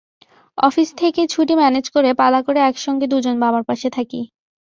Office থেকে ছুটি manage করে পালা করে একসঙ্গে দুজন বাবার পাশে থাকি।